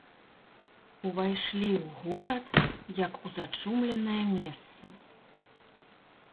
Увайшлі ў горад, як у зачумленае месца.